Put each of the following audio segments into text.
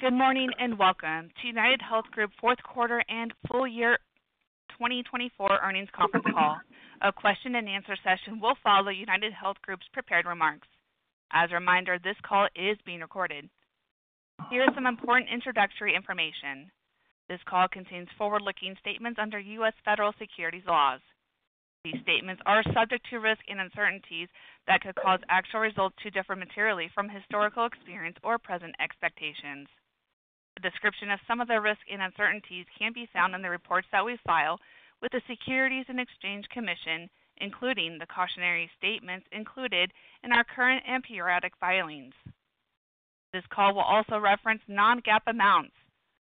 Good morning and welcome to UnitedHealth Group Fourth Quarter and Full Year 2024 Earnings Conference Call. A question-and-answer session will follow UnitedHealth Group's prepared remarks. As a reminder, this call is being recorded. Here is some important introductory information. This call contains forward-looking statements under U.S. federal securities laws. These statements are subject to risks and uncertainties that could cause actual results to differ materially from historical experience or present expectations. A description of some of the risks and uncertainties can be found in the reports that we file with the Securities and Exchange Commission, including the cautionary statements included in our current and periodic filings. This call will also reference non-GAAP amounts.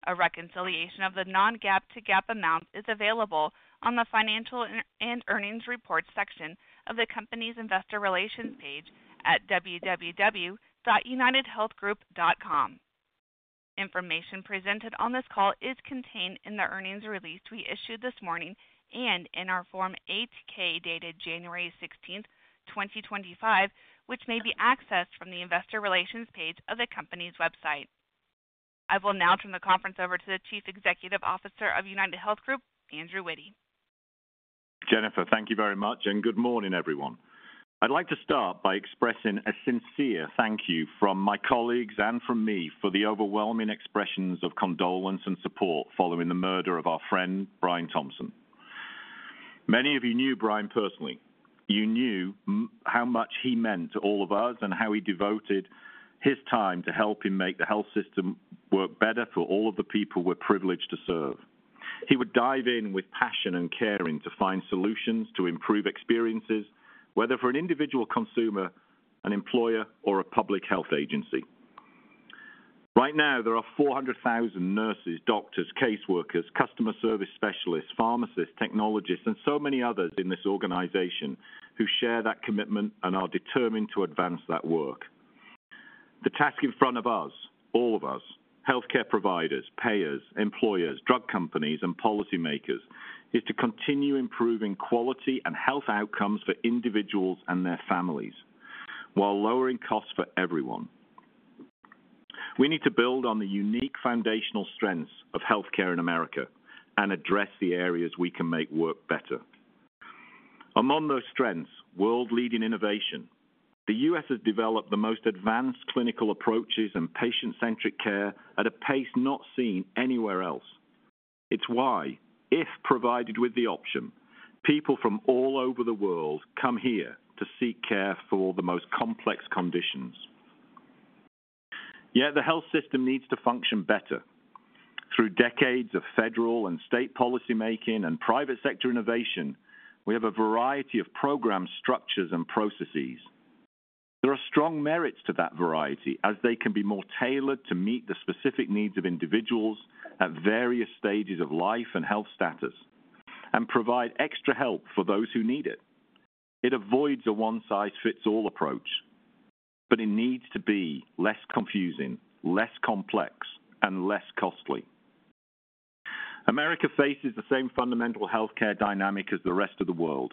A reconciliation of the non-GAAP to GAAP amounts is available on the Financial and Earnings Reports section of the company's Investor Relations page at www.unitedhealthgroup.com. Information presented on this call is contained in the earnings release we issued this morning and in our Form 8-K dated January 16th, 2025, which may be accessed from the Investor Relations page of the company's website. I will now turn the conference over to the Chief Executive Officer of UnitedHealth Group, Andrew Witty. Jennifer, thank you very much, and good morning, everyone. I'd like to start by expressing a sincere thank you from my colleagues and from me for the overwhelming expressions of condolence and support following the murder of our friend, Brian Thompson. Many of you knew Brian personally. You knew how much he meant to all of us and how he devoted his time to helping make the health system work better for all of the people we're privileged to serve. He would dive in with passion and care to find solutions to improve experiences, whether for an individual consumer, an employer, or a public health agency. Right now, there are 400,000 nurses, doctors, caseworkers, customer service specialists, pharmacists, technologists, and so many others in this organization who share that commitment and are determined to advance that work. The task in front of us, all of us, healthcare providers, payers, employers, drug companies, and policymakers, is to continue improving quality and health outcomes for individuals and their families while lowering costs for everyone. We need to build on the unique foundational strengths of healthcare in America and address the areas we can make work better. Among those strengths, world-leading innovation. The U.S. has developed the most advanced clinical approaches and patient-centric care at a pace not seen anywhere else. It's why, if provided with the option, people from all over the world come here to seek care for the most complex conditions. Yet the health system needs to function better. Through decades of federal and state policymaking and private sector innovation, we have a variety of programs, structures, and processes. There are strong merits to that variety, as they can be more tailored to meet the specific needs of individuals at various stages of life and health status and provide extra help for those who need it. It avoids a one-size-fits-all approach, but it needs to be less confusing, less complex, and less costly. America faces the same fundamental healthcare dynamic as the rest of the world.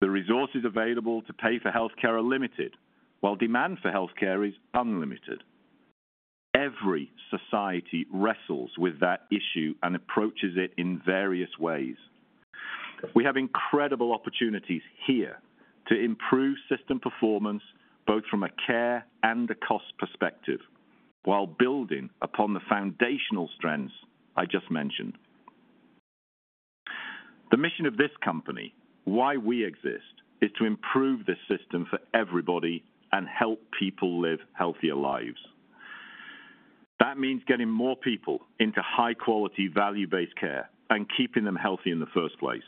The resources available to pay for healthcare are limited, while demand for healthcare is unlimited. Every society wrestles with that issue and approaches it in various ways. We have incredible opportunities here to improve system performance both from a care and a cost perspective while building upon the foundational strengths I just mentioned. The mission of this company, why we exist, is to improve this system for everybody and help people live healthier lives. That means getting more people into high-quality, value-based care and keeping them healthy in the first place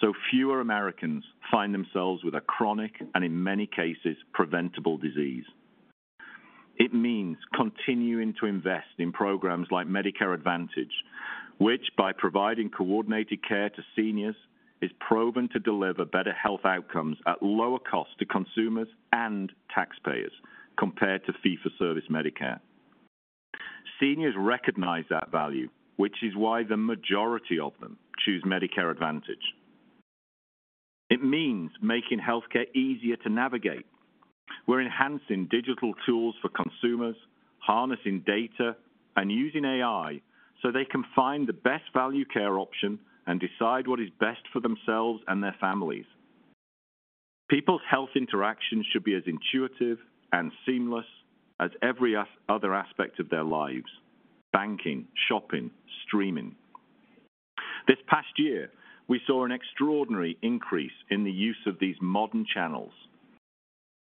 so fewer Americans find themselves with a chronic and, in many cases, preventable disease. It means continuing to invest in programs like Medicare Advantage, which, by providing coordinated care to seniors, is proven to deliver better health outcomes at lower cost to consumers and taxpayers compared to fee-for-service Medicare. Seniors recognize that value, which is why the majority of them choose Medicare Advantage. It means making healthcare easier to navigate. We're enhancing digital tools for consumers, harnessing data, and using AI so they can find the best value care option and decide what is best for themselves and their families. People's health interactions should be as intuitive and seamless as every other aspect of their lives: banking, shopping, streaming. This past year, we saw an extraordinary increase in the use of these modern channels.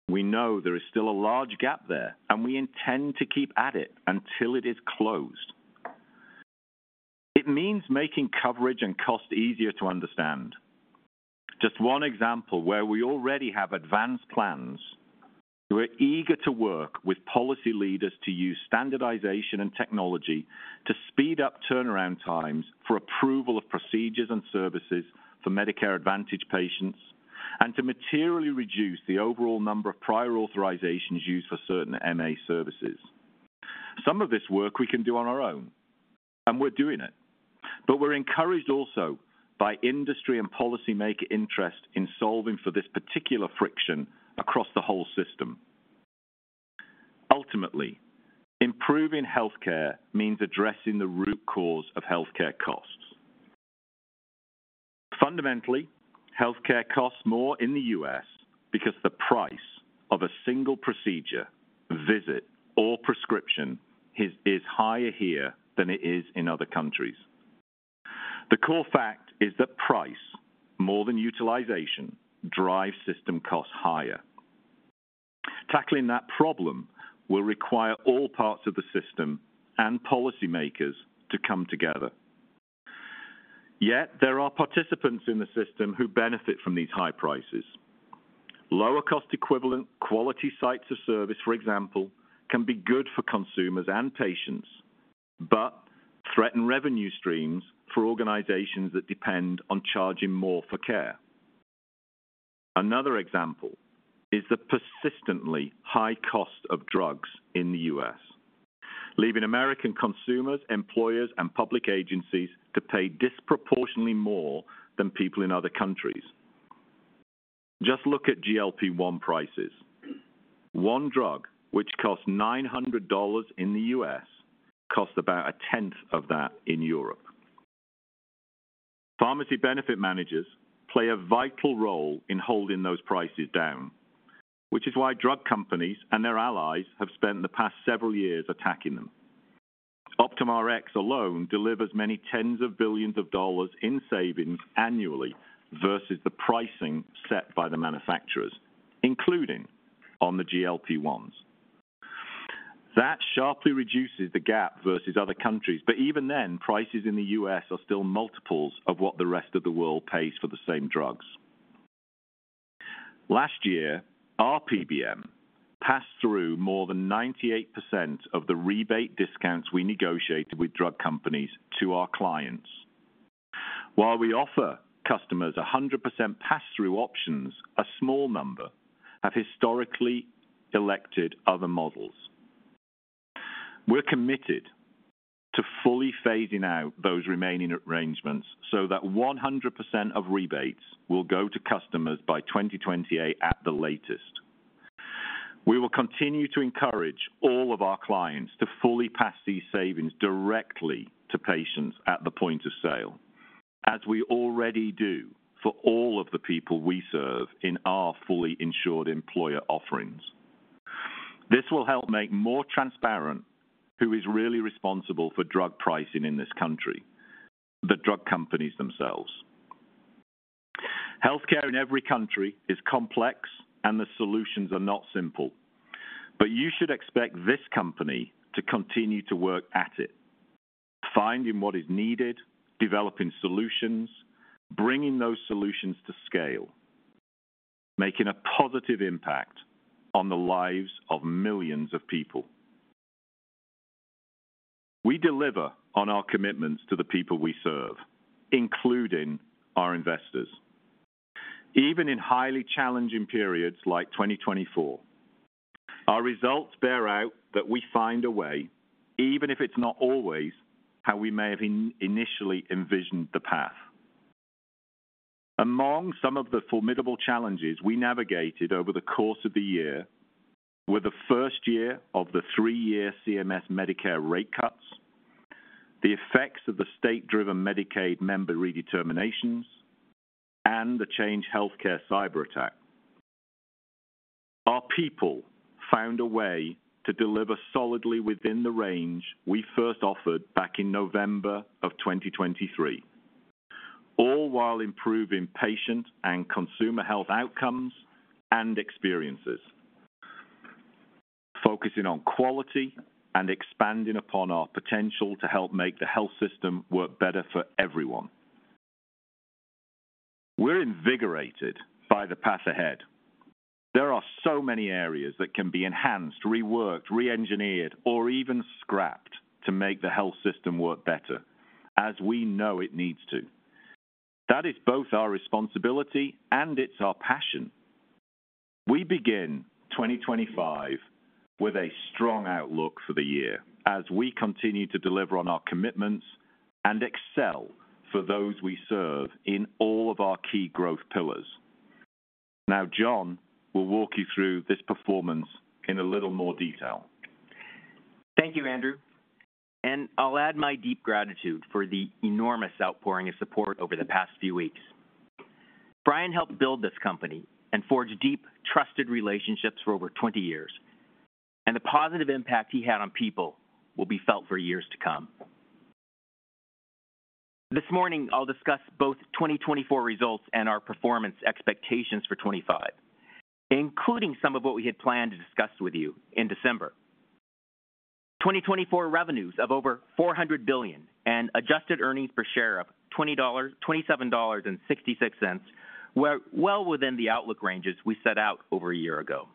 We know there is still a large gap there, and we intend to keep at it until it is closed. It means making coverage and cost easier to understand. Just one example where we already have advanced plans. We're eager to work with policy leaders to use standardization and technology to speed up turnaround times for approval of procedures and services for Medicare Advantage patients and to materially reduce the overall number of prior authorizations used for certain MA services. Some of this work we can do on our own, and we're doing it, but we're encouraged also by industry and policymaker interest in solving for this particular friction across the whole system. Ultimately, improving healthcare means addressing the root cause of healthcare costs. Fundamentally, healthcare costs more in the U.S. because the price of a single procedure, visit, or prescription is higher here than it is in other countries. The core fact is that price, more than utilization, drives system costs higher. Tackling that problem will require all parts of the system and policymakers to come together. Yet there are participants in the system who benefit from these high prices. Lower-cost equivalent quality sites of service, for example, can be good for consumers and patients but threaten revenue streams for organizations that depend on charging more for care. Another example is the persistently high cost of drugs in the U.S., leaving American consumers, employers, and public agencies to pay disproportionately more than people in other countries. Just look at GLP-1 prices. One drug, which costs $900 in the U.S., costs about a tenth of that in Europe. Pharmacy benefit managers play a vital role in holding those prices down, which is why drug companies and their allies have spent the past several years attacking them. Optum Rx alone delivers many tens of billions of dollars in savings annually versus the pricing set by the manufacturers, including on the GLP-1s. That sharply reduces the gap versus other countries, but even then, prices in the U.S. are still multiples of what the rest of the world pays for the same drugs. Last year, our PBM passed through more than 98% of the rebate discounts we negotiated with drug companies to our clients. While we offer customers 100% pass-through options, a small number have historically elected other models. We're committed to fully phasing out those remaining arrangements so that 100% of rebates will go to customers by 2028 at the latest. We will continue to encourage all of our clients to fully pass these savings directly to patients at the point of sale, as we already do for all of the people we serve in our fully insured employer offerings. This will help make more transparent who is really responsible for drug pricing in this country, the drug companies themselves. Healthcare in every country is complex, and the solutions are not simple, but you should expect this company to continue to work at it, finding what is needed, developing solutions, bringing those solutions to scale, making a positive impact on the lives of millions of people. We deliver on our commitments to the people we serve, including our investors, even in highly challenging periods like 2024. Our results bear out that we find a way, even if it's not always how we may have initially envisioned the path. Among some of the formidable challenges we navigated over the course of the year were the first year of the three-year CMS Medicare rate cuts, the effects of the state-driven Medicaid member redeterminations, and the Change Healthcare cyberattack. Our people found a way to deliver solidly within the range we first offered back in November of 2023, all while improving patient and consumer health outcomes and experiences, focusing on quality and expanding upon our potential to help make the health system work better for everyone. We're invigorated by the path ahead. There are so many areas that can be enhanced, reworked, re-engineered, or even scrapped to make the health system work better, as we know it needs to. That is both our responsibility and it's our passion. We begin 2025 with a strong outlook for the year as we continue to deliver on our commitments and excel for those we serve in all of our key growth pillars. Now, John, we'll walk you through this performance in a little more detail. Thank you, Andrew, and I'll add my deep gratitude for the enormous outpouring of support over the past few weeks. Brian helped build this company and forged deep, trusted relationships for over 20 years, and the positive impact he had on people will be felt for years to come. This morning, I'll discuss both 2024 results and our performance expectations for 2025, including some of what we had planned to discuss with you in December. 2024 revenues of over $400 billion and adjusted earnings per share of $27.66 were well within the outlook ranges we set out over a year ago.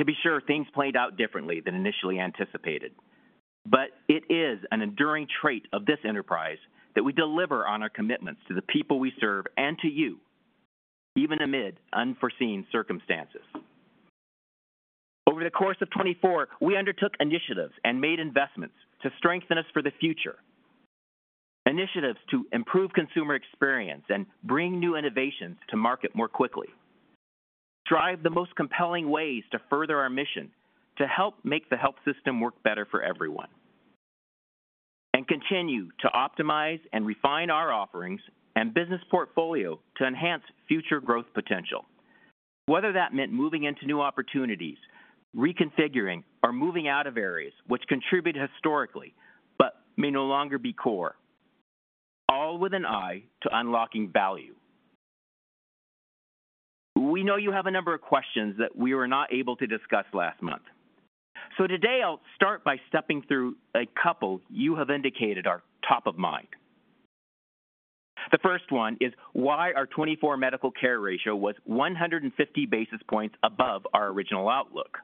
To be sure, things played out differently than initially anticipated, but it is an enduring trait of this enterprise that we deliver on our commitments to the people we serve and to you, even amid unforeseen circumstances. Over the course of 2024, we undertook initiatives and made investments to strengthen us for the future, initiatives to improve consumer experience and bring new innovations to market more quickly, drive the most compelling ways to further our mission to help make the health system work better for everyone, and continue to optimize and refine our offerings and business portfolio to enhance future growth potential, whether that meant moving into new opportunities, reconfiguring, or moving out of areas which contributed historically but may no longer be core, all with an eye to unlocking value. We know you have a number of questions that we were not able to discuss last month. So today, I'll start by stepping through a couple you have indicated are top of mind. The first one is why our 2024 medical care ratio was 150 basis points above our original outlook.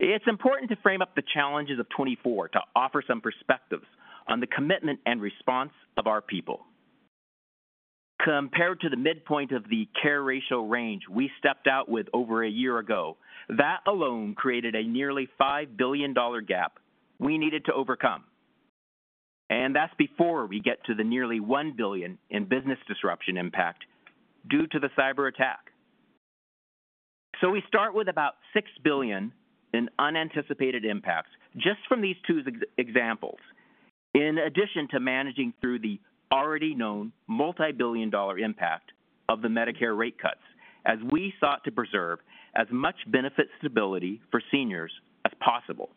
It's important to frame up the challenges of 2024 to offer some perspectives on the commitment and response of our people. Compared to the midpoint of the care ratio range we stepped out with over a year ago, that alone created a nearly $5 billion gap we needed to overcome. And that's before we get to the nearly $1 billion in business disruption impact due to the cyberattack. So we start with about $6 billion in unanticipated impacts just from these two examples, in addition to managing through the already known multi-billion dollar impact of the Medicare rate cuts as we sought to preserve as much benefit stability for seniors as possible.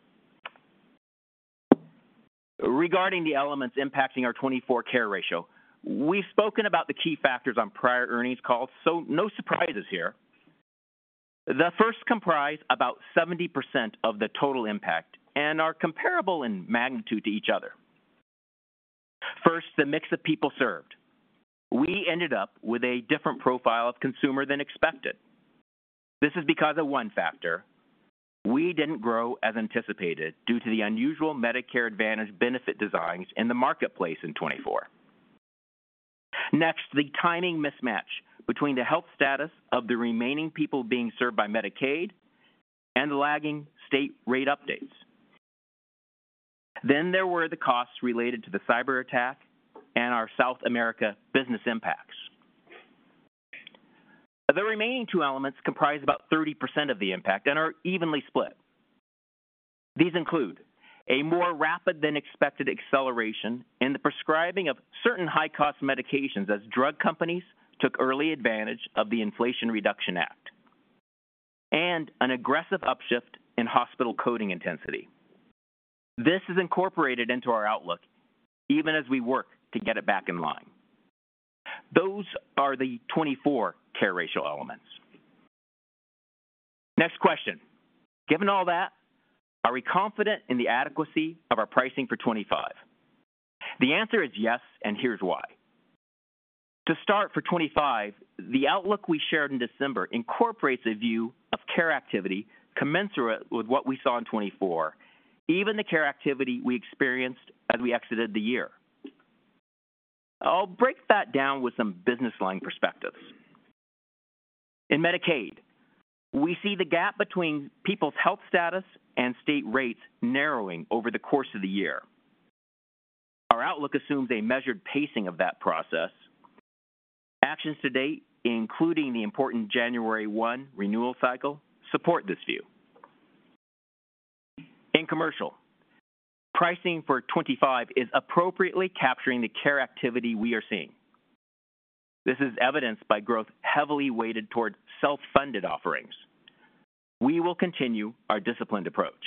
Regarding the elements impacting our 2024 care ratio, we've spoken about the key factors on prior earnings calls, so no surprises here. The first comprise about 70% of the total impact and are comparable in magnitude to each other. First, the mix of people served. We ended up with a different profile of consumer than expected. This is because of one factor: we didn't grow as anticipated due to the unusual Medicare Advantage benefit designs in the marketplace in 2024. Next, the timing mismatch between the health status of the remaining people being served by Medicaid and the lagging state rate updates. Then there were the costs related to the cyberattack and our South America business impacts. The remaining two elements comprise about 30% of the impact and are evenly split. These include a more rapid-than-expected acceleration in the prescribing of certain high-cost medications as drug companies took early advantage of the Inflation Reduction Act and an aggressive upshift in hospital coding intensity. This is incorporated into our outlook even as we work to get it back in line. Those are the 2024 care ratio elements. Next question. Given all that, are we confident in the adequacy of our pricing for 2025? The answer is yes, and here's why. To start, for 2025, the outlook we shared in December incorporates a view of care activity commensurate with what we saw in 2024, even the care activity we experienced as we exited the year. I'll break that down with some business line perspectives. In Medicaid, we see the gap between people's health status and state rates narrowing over the course of the year. Our outlook assumes a measured pacing of that process. Actions to date, including the important January 1 renewal cycle, support this view. In commercial, pricing for 2025 is appropriately capturing the care activity we are seeing. This is evidenced by growth heavily weighted toward self-funded offerings. We will continue our disciplined approach.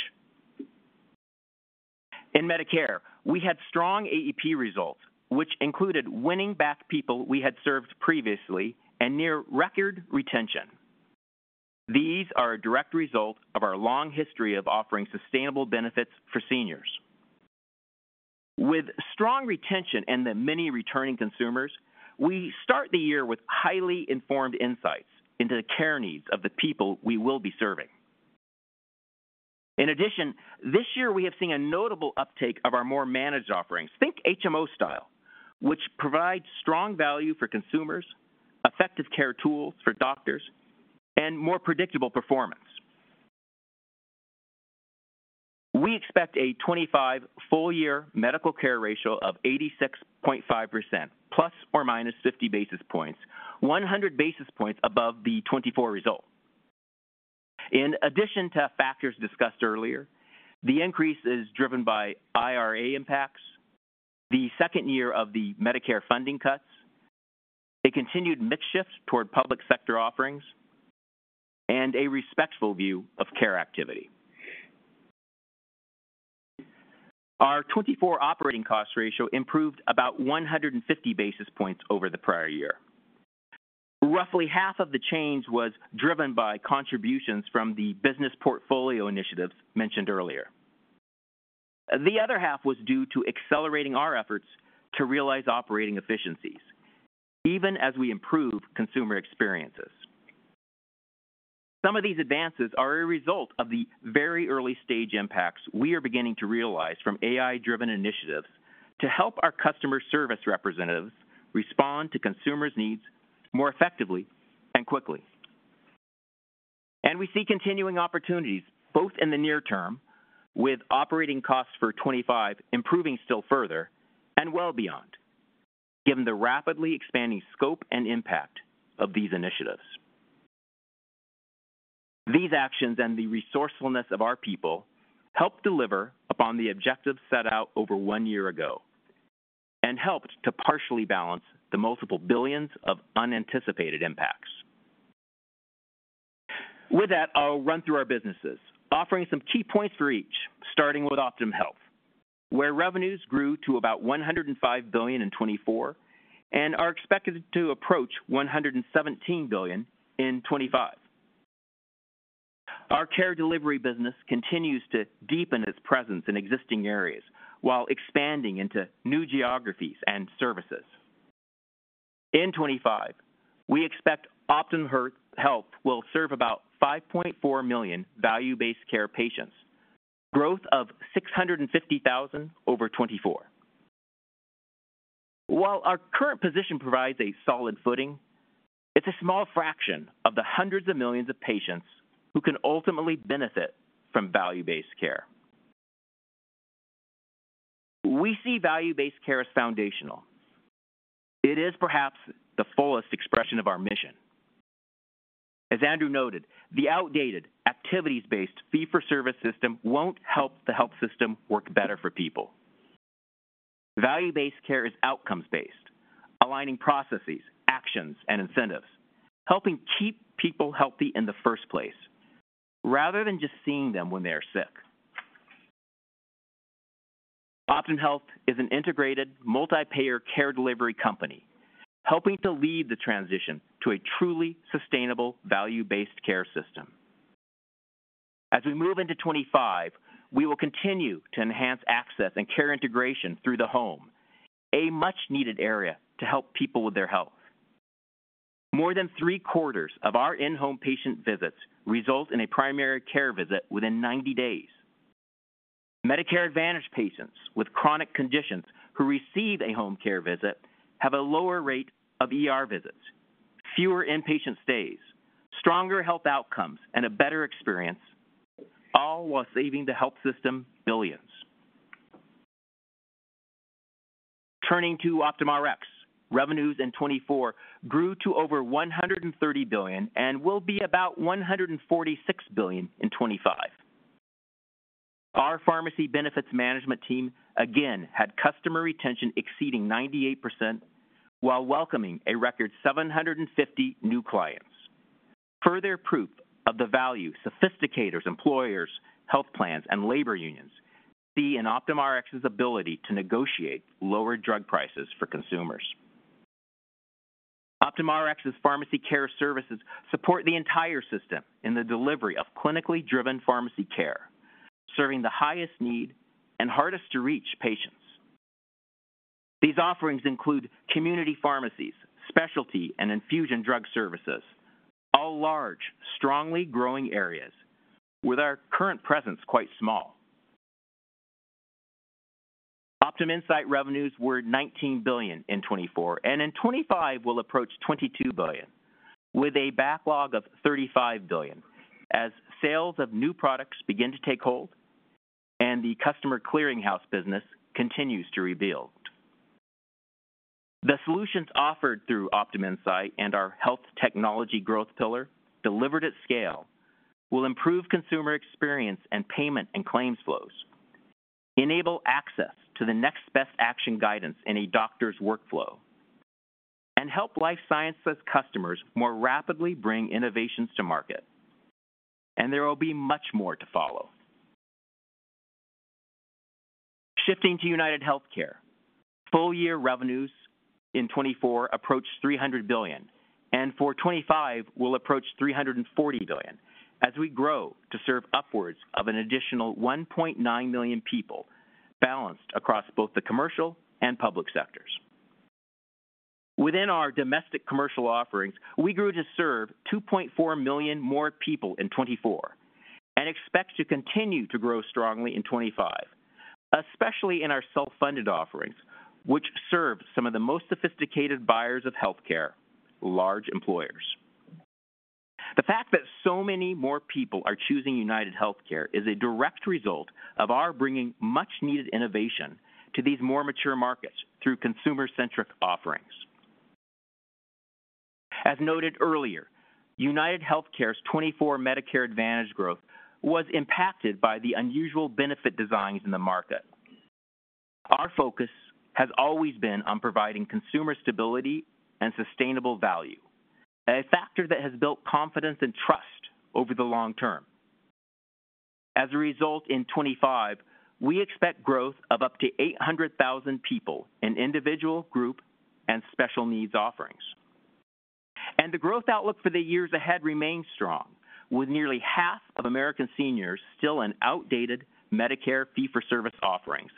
In Medicare, we had strong AEP results, which included winning back people we had served previously and near record retention. These are a direct result of our long history of offering sustainable benefits for seniors. With strong retention and the many returning consumers, we start the year with highly informed insights into the care needs of the people we will be serving. In addition, this year, we have seen a notable uptake of our more managed offerings, think HMO style, which provide strong value for consumers, effective care tools for doctors, and more predictable performance. We expect a 2025 full-year medical care ratio of 86.5% ± 50 basis points, 100 basis points above the 2024 result. In addition to factors discussed earlier, the increase is driven by IRA impacts, the second year of the Medicare funding cuts, a continued mix shift toward public sector offerings, and a respectful view of care activity. Our 2024 operating cost ratio improved about 150 basis points over the prior year. Roughly half of the change was driven by contributions from the business portfolio initiatives mentioned earlier. The other half was due to accelerating our efforts to realize operating efficiencies, even as we improve consumer experiences. Some of these advances are a result of the very early-stage impacts we are beginning to realize from AI-driven initiatives to help our customer service representatives respond to consumers' needs more effectively and quickly, and we see continuing opportunities both in the near term, with operating costs for 2025 improving still further and well beyond, given the rapidly expanding scope and impact of these initiatives. These actions and the resourcefulness of our people helped deliver upon the objectives set out over one year ago and helped to partially balance the multiple billions of unanticipated impacts. With that, I'll run through our businesses, offering some key points for each, starting with Optum Health, where revenues grew to about $105 billion in 2024 and are expected to approach $117 billion in 2025. Our care delivery business continues to deepen its presence in existing areas while expanding into new geographies and services. In 2025, we expect Optum Health will serve about 5.4 million value-based care patients, growth of 650,000 over 2024. While our current position provides a solid footing, it's a small fraction of the hundreds of millions of patients who can ultimately benefit from value-based care. We see value-based care as foundational. It is perhaps the fullest expression of our mission. As Andrew noted, the outdated activities-based fee-for-service system won't help the health system work better for people. Value-based care is outcomes-based, aligning processes, actions, and incentives, helping keep people healthy in the first place rather than just seeing them when they are sick. Optum Health is an integrated multi-payer care delivery company, helping to lead the transition to a truly sustainable value-based care system. As we move into 2025, we will continue to enhance access and care integration through the home, a much-needed area to help people with their health. More than three-quarters of our in-home patient visits result in a primary care visit within 90 days. Medicare Advantage patients with chronic conditions who receive a home care visit have a lower rate of visits, fewer inpatient stays, stronger health outcomes, and a better experience, all while saving the health system billions. Turning to Optum Rx, revenues in 2024 grew to over $130 billion and will be about $146 billion in 2025. Our pharmacy benefits management team again had customer retention exceeding 98% while welcoming a record 750 new clients, further proof of the value, sophisticated, employers, health plans, and labor unions see in Optum Rx's ability to negotiate lower drug prices for consumers. Optum Rx's pharmacy care services support the entire system in the delivery of clinically driven pharmacy care, serving the highest need and hardest-to-reach patients. These offerings include community pharmacies, specialty, and infusion drug services, all large, strongly growing areas, with our current presence quite small. Optum Insight revenues were $19 billion in 2024, and in 2025, we'll approach $22 billion, with a backlog of $35 billion as sales of new products begin to take hold and the customer clearinghouse business continues to rebuild. The solutions offered through Optum Insight and our health technology growth pillar, delivered at scale, will improve consumer experience and payment and claims flows, enable access to the next best action guidance in a doctor's workflow, and help life sciences customers more rapidly bring innovations to market. And there will be much more to follow. Shifting to UnitedHealthcare, full-year revenues in 2024 approach $300 billion, and for 2025, we'll approach $340 billion as we grow to serve upwards of an additional 1.9 million people balanced across both the commercial and public sectors. Within our domestic commercial offerings, we grew to serve 2.4 million more people in 2024 and expect to continue to grow strongly in 2025, especially in our self-funded offerings, which serve some of the most sophisticated buyers of healthcare, large employers. The fact that so many more people are choosing UnitedHealthcare is a direct result of our bringing much-needed innovation to these more mature markets through consumer-centric offerings. As noted earlier, UnitedHealthcare's 2024 Medicare Advantage growth was impacted by the unusual benefit designs in the market. Our focus has always been on providing consumer stability and sustainable value, a factor that has built confidence and trust over the long term. As a result, in 2025, we expect growth of up to 800,000 people in individual, group, and special needs offerings, and the growth outlook for the years ahead remains strong, with nearly half of American seniors still in outdated Medicare fee-for-service offerings,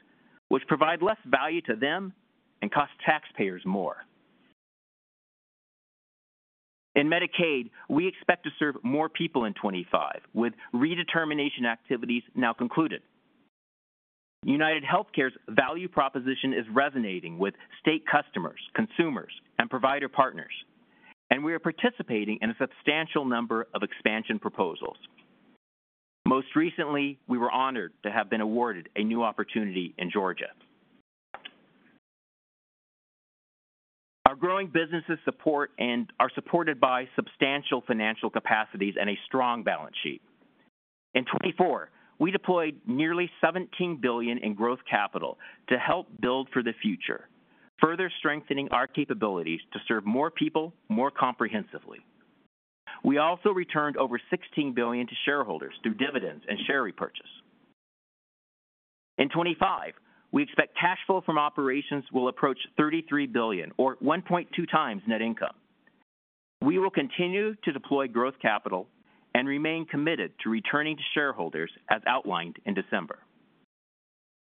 which provide less value to them and cost taxpayers more. In Medicaid, we expect to serve more people in 2025, with redetermination activities now concluded. UnitedHealthcare's value proposition is resonating with state customers, consumers, and provider partners, and we are participating in a substantial number of expansion proposals. Most recently, we were honored to have been awarded a new opportunity in Georgia. Our growing businesses support and are supported by substantial financial capacities and a strong balance sheet. In 2024, we deployed nearly $17 billion in growth capital to help build for the future, further strengthening our capabilities to serve more people more comprehensively. We also returned over $16 billion to shareholders through dividends and share repurchase. In 2025, we expect cash flow from operations will approach $33 billion, or 1.2x net income. We will continue to deploy growth capital and remain committed to returning to shareholders as outlined in December.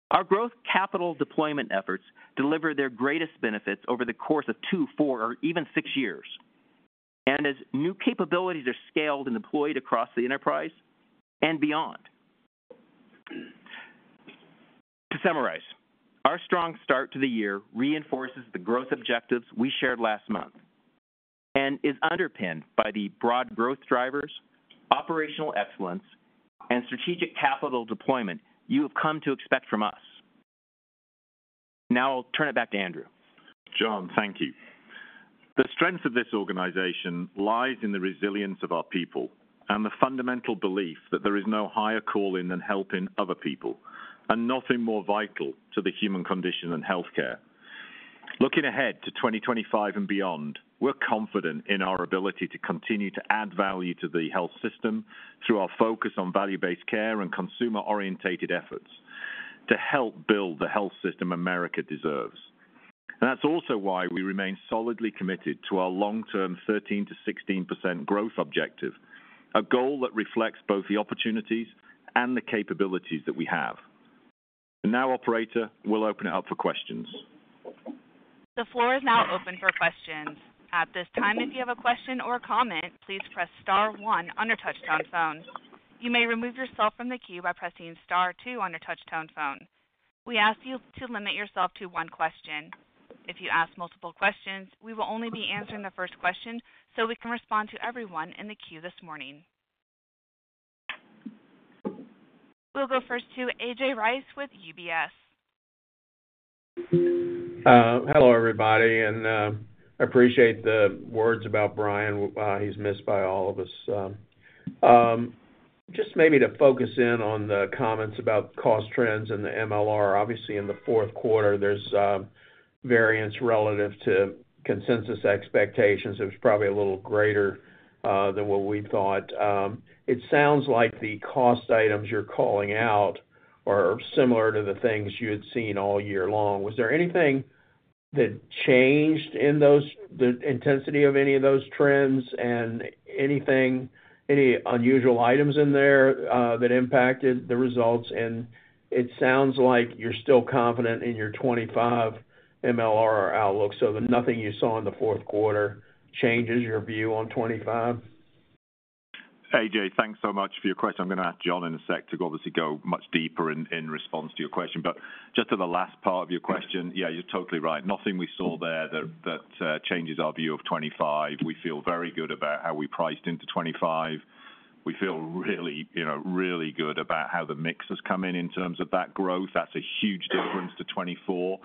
Our growth capital deployment efforts deliver their greatest benefits over the course of two, four, or even six years, and as new capabilities are scaled and deployed across the enterprise and beyond. To summarize, our strong start to the year reinforces the growth objectives we shared last month and is underpinned by the broad growth drivers, operational excellence, and strategic capital deployment you have come to expect from us. Now I'll turn it back to Andrew. John, thank you. The strength of this organization lies in the resilience of our people and the fundamental belief that there is no higher calling than helping other people, and nothing more vital to the human condition than healthcare. Looking ahead to 2025 and beyond, we're confident in our ability to continue to add value to the health system through our focus on value-based care and consumer-oriented efforts to help build the health system America deserves, and that's also why we remain solidly committed to our long-term 13%-16% growth objective, a goal that reflects both the opportunities and the capabilities that we have, and now, Operator, we'll open it up for questions. The floor is now open for questions. At this time, if you have a question or a comment, please press star one on your touch-tone phone. You may remove yourself from the queue by pressing star two on your touch-tone phone. We ask you to limit yourself to one question. If you ask multiple questions, we will only be answering the first question so we can respond to everyone in the queue this morning. We'll go first to A.J. Rice with UBS. Hello, everybody. And I appreciate the words about Brian. He's missed by all of us. Just maybe to focus in on the comments about cost trends and the MLR. Obviously, in the fourth quarter, there's variance relative to consensus expectations. It was probably a little greater than what we thought. It sounds like the cost items you're calling out are similar to the things you had seen all year long. Was there anything that changed in the intensity of any of those trends and any unusual items in there that impacted the results? And it sounds like you're still confident in your 2025 MLR outlook. So nothing you saw in the fourth quarter changes your view on 2025? A.J., thanks so much for your question. I'm going to ask John in a sec to obviously go much deeper in response to your question. But just to the last part of your question, yeah, you're totally right. Nothing we saw there that changes our view of '25. We feel very good about how we priced into '25. We feel really, really good about how the mix has come in in terms of that growth. That's a huge difference to '24.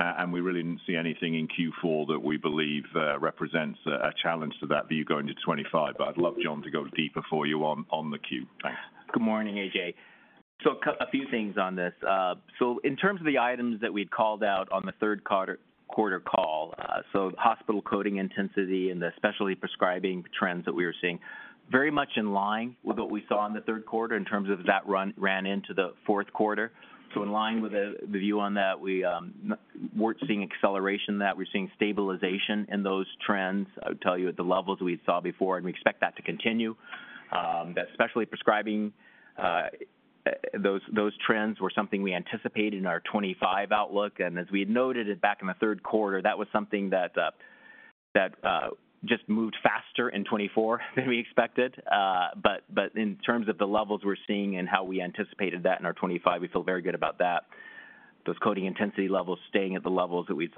And we really didn't see anything in Q4 that we believe represents a challenge to that view going into '25. But I'd love John to go deeper for you on the Q. Thanks. Good morning, A.J.. So a few things on this. So in terms of the items that we'd called out on the third quarter call, so hospital coding intensity and the specialty prescribing trends that we were seeing very much in line with what we saw in the third quarter in terms of that ran into the fourth quarter. So in line with the view on that, we weren't seeing acceleration in that. We're seeing stabilization in those trends. I would tell you at the levels we saw before, and we expect that to continue. That specialty prescribing, those trends were something we anticipated in our 2025 outlook. And as we had noted back in the third quarter, that was something that just moved faster in 2024 than we expected. But in terms of the levels we're seeing and how we anticipated that in our 2025, we feel very good about that. Those coding intensity levels staying at the levels that we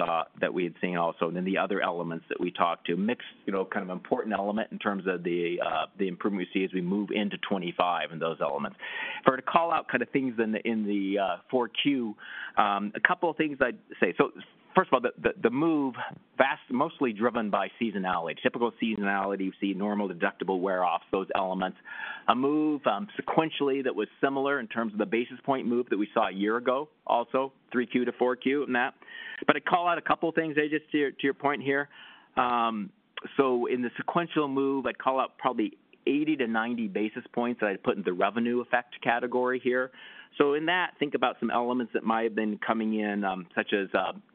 had seen also. Then the other elements that we talked to, mix kind of important element in terms of the improvement we see as we move into 2025 and those elements. To call out kind of things in the 4Q, a couple of things I'd say. First of all, the move was mostly driven by seasonality. Typical seasonality, you see normal deductible wear off those elements. A move sequentially that was similar in terms of the basis point move that we saw a year ago also, 3Q-4Q in that. I'd call out a couple of things, A.J., to your point here. In the sequential move, I'd call out probably 80-90 basis points that I'd put in the revenue effect category here. So in that, think about some elements that might have been coming in, such as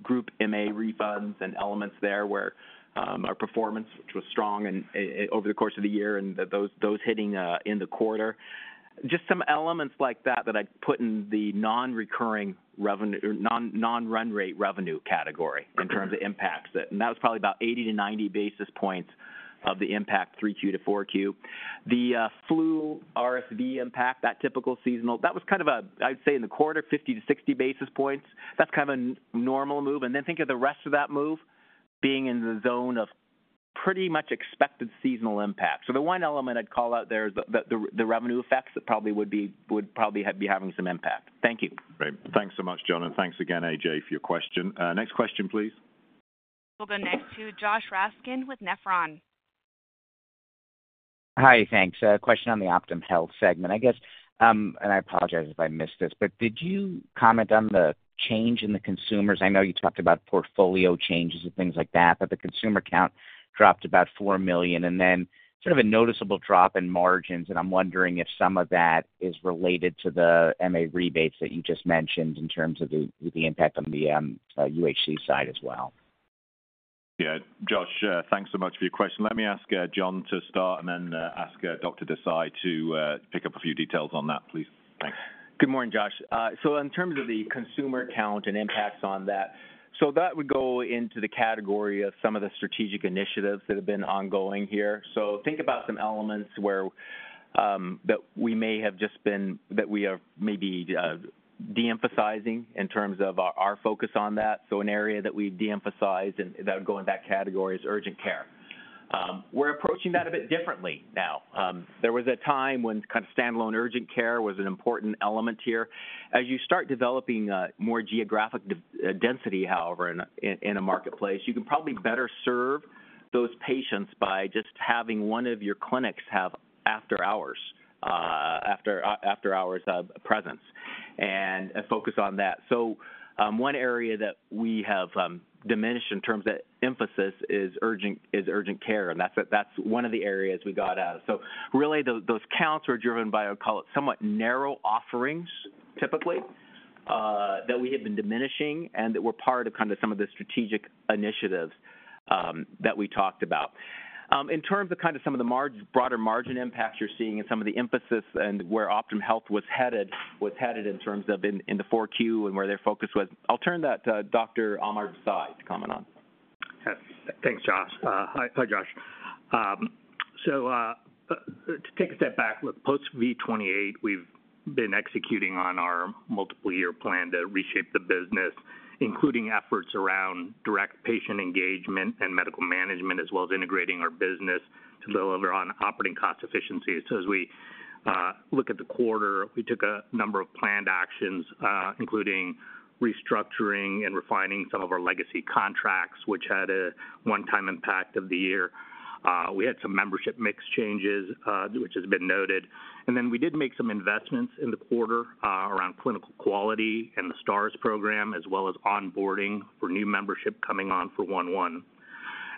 group MA refunds and elements there where our performance, which was strong over the course of the year, and those hitting in the quarter. Just some elements like that that I'd put in the non-recurring non-run rate revenue category in terms of impacts. And that was probably about 80-90 basis points of the impact 3Q-4Q. The flu RSV impact, that typical seasonal, that was kind of a, I'd say in the quarter, 50-60 basis points. That's kind of a normal move. And then think of the rest of that move being in the zone of pretty much expected seasonal impact. So the one element I'd call out there is the revenue effects that probably would be having some impact. Thank you. Great. Thanks so much, John. And thanks again, A.J., for your question. Next question, please. We'll go next to Josh Raskin with Nephron. Hi, thanks. Question on the Optum Health segment. I guess, and I apologize if I missed this, but did you comment on the change in the consumers? I know you talked about portfolio changes and things like that, but the consumer count dropped about 4 million, and then sort of a noticeable drop in margins. And I'm wondering if some of that is related to the MA rebates that you just mentioned in terms of the impact on the UHC side as well. Yeah. Josh, thanks so much for your question. Let me ask John to start and then ask Dr. Desai to pick up a few details on that, please. Thanks. Good morning, Josh. So in terms of the consumer count and impacts on that, so that would go into the category of some of the strategic initiatives that have been ongoing here. So think about some elements that we are maybe de-emphasizing in terms of our focus on that. So an area that we've de-emphasized and that would go in that category is urgent care. We're approaching that a bit differently now. There was a time when kind of standalone urgent care was an important element here. As you start developing more geographic density, however, in a marketplace, you can probably better serve those patients by just having one of your clinics have after-hours presence and focus on that. So one area that we have diminished in terms of emphasis is urgent care. And that's one of the areas we got out of. So really, those counts were driven by, I'll call it, somewhat narrow offerings typically that we had been diminishing and that were part of kind of some of the strategic initiatives that we talked about. In terms of kind of some of the broader margin impacts you're seeing and some of the emphasis and where Optum Health was headed in terms of in the 4Q and where their focus was, I'll turn that to Dr. Amar Desai to comment on. Thanks, Josh. Hi, Josh. So to take a step back, with post-V28, we've been executing on our multiple-year plan to reshape the business, including efforts around direct patient engagement and medical management, as well as integrating our business to deliver on operating cost efficiencies. As we look at the quarter, we took a number of planned actions, including restructuring and refining some of our legacy contracts, which had a one-time impact on the year. We had some membership mix changes, which has been noted. And then we did make some investments in the quarter around clinical quality and the Stars program, as well as onboarding for new membership coming on for 2025.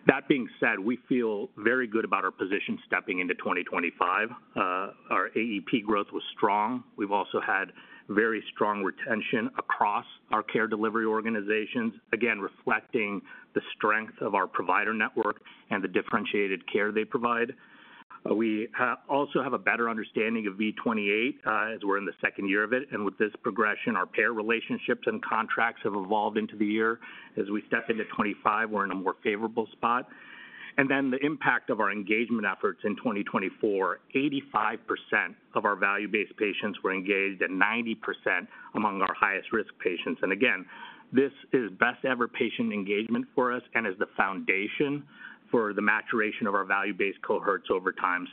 That being said, we feel very good about our position stepping into 2025. Our AEP growth was strong. We've also had very strong retention across our care delivery organizations, again, reflecting the strength of our provider network and the differentiated care they provide. We also have a better understanding of V28 as we're in the second year of it. And with this progression, our payer relationships and contracts have evolved into the year. As we step into 2025, we're in a more favorable spot, and then the impact of our engagement efforts in 2024, 85% of our value-based patients were engaged and 90% among our highest-risk patients. And again, this is best-ever patient engagement for us and is the foundation for the maturation of our value-based cohorts over time.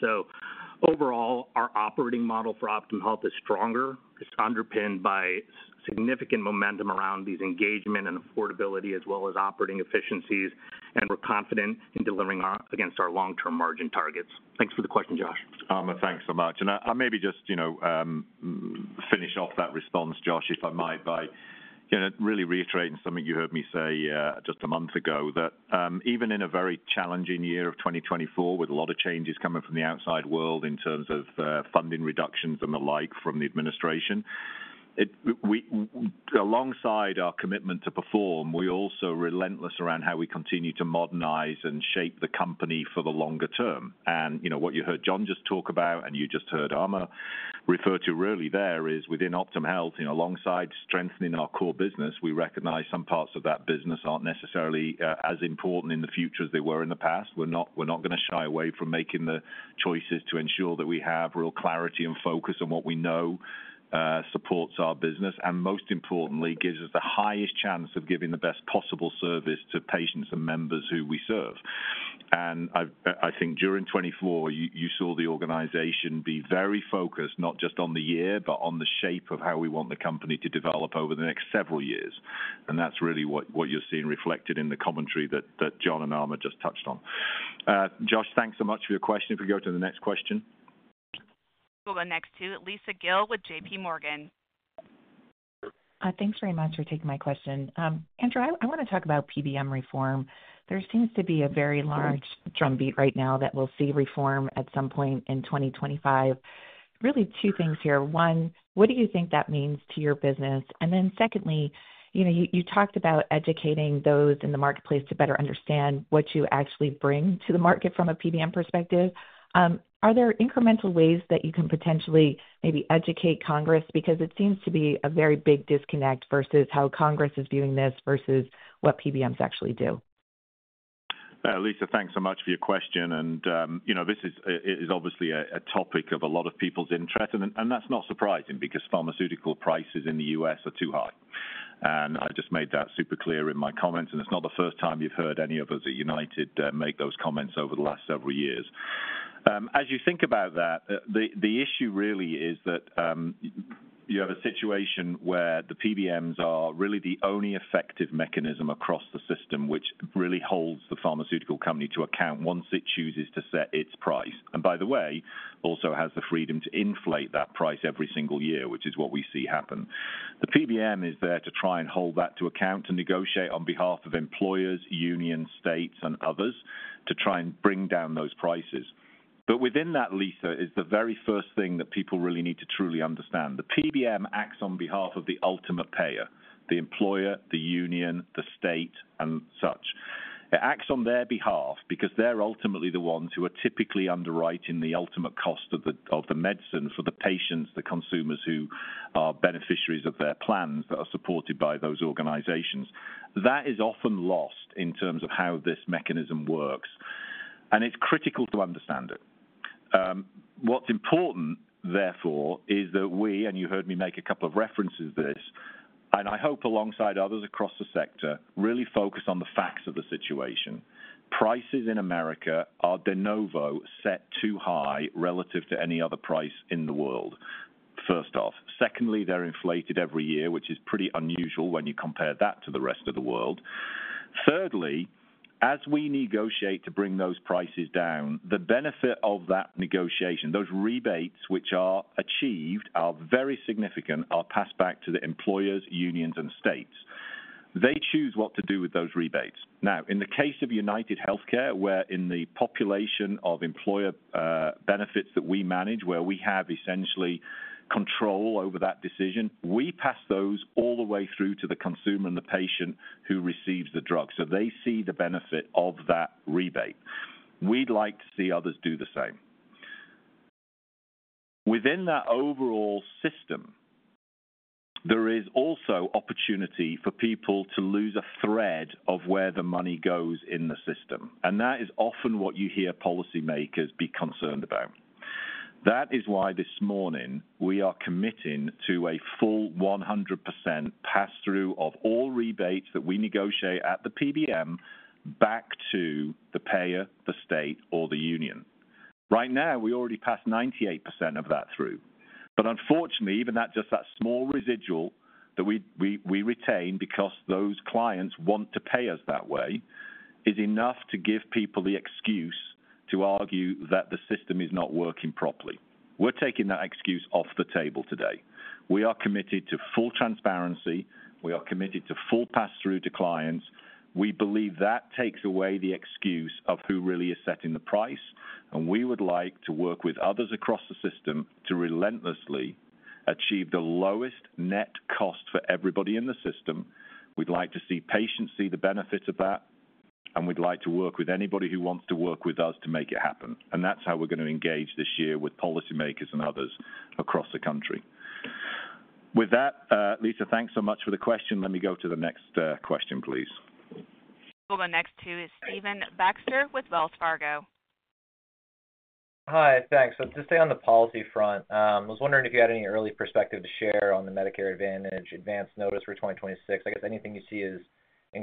Overall, our operating model for Optum Health is stronger. It's underpinned by significant momentum around these engagement and affordability, as well as operating efficiencies. We're confident in delivering against our long-term margin targets. Thanks for the question, Josh. Thanks so much. I maybe just finish off that response, Josh, if I might, by really reiterating something you heard me say just a month ago, that even in a very challenging year of 2024, with a lot of changes coming from the outside world in terms of funding reductions and the like from the administration, alongside our commitment to perform, we're also relentless around how we continue to modernize and shape the company for the longer term. What you heard John just talk about, and you just heard Amar refer to really there is within Optum Health, alongside strengthening our core business, we recognize some parts of that business aren't necessarily as important in the future as they were in the past. We're not going to shy away from making the choices to ensure that we have real clarity and focus on what we know supports our business, and most importantly, gives us the highest chance of giving the best possible service to patients and members who we serve. I think during 2024, you saw the organization be very focused, not just on the year, but on the shape of how we want the company to develop over the next several years. That's really what you're seeing reflected in the commentary that John and Amar just touched on. Josh, thanks so much for your question. If we go to the next question. We'll go next to Lisa Gill with J.P. Morgan. Thanks very much for taking my question. Andrew, I want to talk about PBM reform. There seems to be a very large drumbeat right now that we'll see reform at some point in 2025. Really two things here. One, what do you think that means to your business? And then secondly, you talked about educating those in the marketplace to better understand what you actually bring to the market from a PBM perspective. Are there incremental ways that you can potentially maybe educate Congress? Because it seems to be a very big disconnect versus how Congress is viewing this versus what PBMs actually do. Lisa, thanks so much for your question. And this is obviously a topic of a lot of people's interest. And that's not surprising because pharmaceutical prices in the U.S. are too high. And I just made that super clear in my comments. It's not the first time you've heard any of us at United make those comments over the last several years. As you think about that, the issue really is that you have a situation where the PBMs are really the only effective mechanism across the system which really holds the pharmaceutical company to account once it chooses to set its price. And by the way, also has the freedom to inflate that price every single year, which is what we see happen. The PBM is there to try and hold that to account and negotiate on behalf of employers, unions, states, and others to try and bring down those prices. But within that, Lisa, is the very first thing that people really need to truly understand. The PBM acts on behalf of the ultimate payer, the employer, the union, the state, and such. It acts on their behalf because they're ultimately the ones who are typically underwriting the ultimate cost of the medicine for the patients, the consumers who are beneficiaries of their plans that are supported by those organizations. That is often lost in terms of how this mechanism works, and it's critical to understand it. What's important, therefore, is that we, and you heard me make a couple of references to this, and I hope alongside others across the sector, really focus on the facts of the situation. Prices in America are de novo set too high relative to any other price in the world, first off. Secondly, they're inflated every year, which is pretty unusual when you compare that to the rest of the world. Thirdly, as we negotiate to bring those prices down, the benefit of that negotiation, those rebates which are achieved are very significant, are passed back to the employers, unions, and states. They choose what to do with those rebates. Now, in the case of UnitedHealthcare, where in the population of employer benefits that we manage, where we have essentially control over that decision, we pass those all the way through to the consumer and the patient who receives the drug. So they see the benefit of that rebate. We'd like to see others do the same. Within that overall system, there is also opportunity for people to lose a thread of where the money goes in the system. And that is often what you hear policymakers be concerned about. That is why this morning we are committing to a full 100% pass-through of all rebates that we negotiate at the PBM back to the payer, the state, or the union. Right now, we already passed 98% of that through. But unfortunately, even that, just that small residual that we retain because those clients want to pay us that way is enough to give people the excuse to argue that the system is not working properly. We're taking that excuse off the table today. We are committed to full transparency. We are committed to full pass-through to clients. We believe that takes away the excuse of who really is setting the price, and we would like to work with others across the system to relentlessly achieve the lowest net cost for everybody in the system. We'd like to see patients see the benefits of that. We'd like to work with anybody who wants to work with us to make it happen. That's how we're going to engage this year with policymakers and others across the country. With that, Lisa, thanks so much for the question. Let me go to the next question, please. We'll go next to Stephen Baxter with Wells Fargo. Hi, thanks. So just stay on the policy front. I was wondering if you had any early perspective to share on the Medicare Advantage Advance Notice for 2026. I guess anything you see as encouraging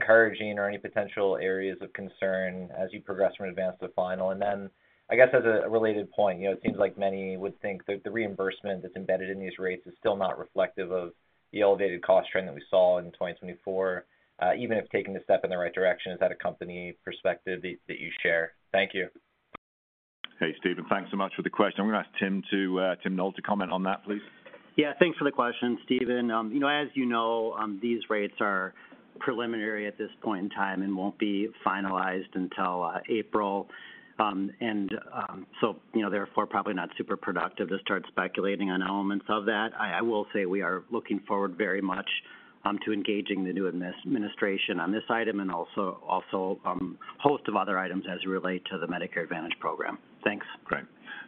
or any potential areas of concern as you progress from advance to final. And then I guess as a related point, it seems like many would think that the reimbursement that's embedded in these rates is still not reflective of the elevated cost trend that we saw in 2024, even if taking the step in the right direction. Is that a company perspective that you share? Thank you. Hey, Steven, thanks so much for the question. I'm going to ask Tim Noel to comment on that, please. Yeah, thanks for the question, Stephen. As you know, these rates are preliminary at this point in time and won't be finalized until April. And so they're probably not super productive to start speculating on elements of that. I will say we are looking forward very much to engaging the new administration on this item and also a host of other items as we relate to the Medicare Advantage program. Thanks. Great.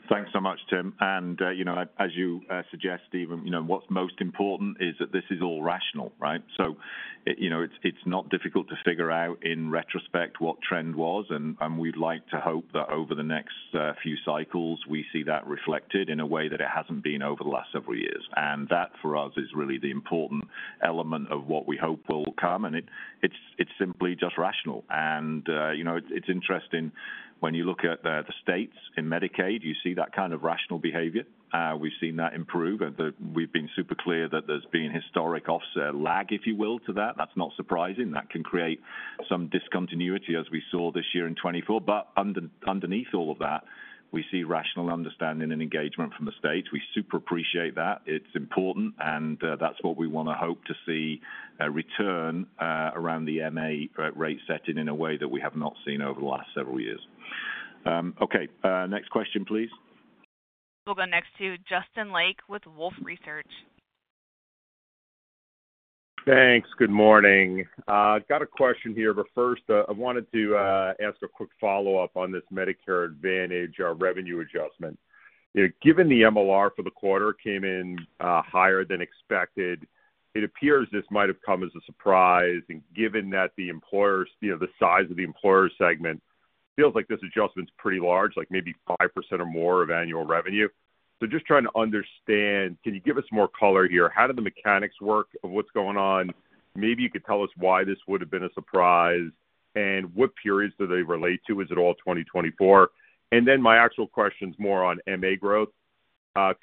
Thanks so much, Tim. As you suggest, Steven, what's most important is that this is all rational, right? So it's not difficult to figure out in retrospect what trend was. We'd like to hope that over the next few cycles, we see that reflected in a way that it hasn't been over the last several years. That, for us, is really the important element of what we hope will come. It's simply just rational. It's interesting when you look at the states in Medicaid; you see that kind of rational behavior. We've seen that improve. We've been super clear that there's been historic offset lag, if you will, to that. That's not surprising. That can create some discontinuity, as we saw this year in 2024. Underneath all of that, we see rational understanding and engagement from the states. We super appreciate that. It's important. And that's what we want to hope to see return around the MA rate setting in a way that we have not seen over the last several years. Okay, next question, please. We'll go next to Justin Lake with Wolfe Research. Thanks. Good morning. I've got a question here. But first, I wanted to ask a quick follow-up on this Medicare Advantage revenue adjustment. Given the MLR for the quarter came in higher than expected, it appears this might have come as a surprise. And given that the employers, the size of the employer segment, feels like this adjustment's pretty large, like maybe 5% or more of annual revenue. So just trying to understand, can you give us more color here? How do the mechanics work of what's going on? Maybe you could tell us why this would have been a surprise. And what periods do they relate to? Is it all 2024? And then my actual question's more on MA growth.